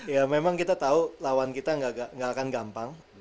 ya memang kita tahu lawan kita nggak akan gampang